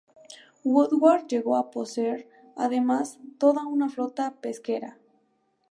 Woodward llegó a poseer, además, toda una flota pesquera.